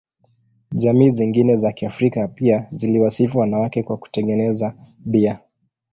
Jamii zingine za Kiafrika pia ziliwasifu wanawake kwa kutengeneza bia.